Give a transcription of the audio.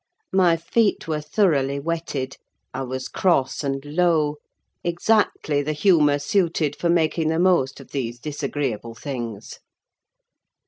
My feet were thoroughly wetted; I was cross and low; exactly the humour suited for making the most of these disagreeable things.